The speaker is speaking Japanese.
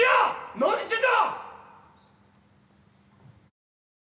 何してんだ！